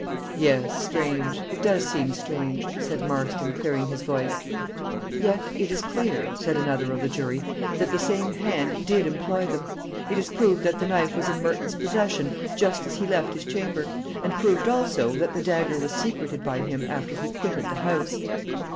"Yes, strange; it does seem strange," said Marston, clearing his voice. "Yet, it is clear," said another of the jury, "that the same hand did employ them. It is proved that the knife was in Merton's possession just as he left his chamber; and proved, also, that the dagger was secreted by him after he quitted the house."